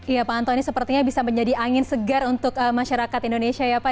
iya pak anto ini sepertinya bisa menjadi angin segar untuk masyarakat indonesia ya pak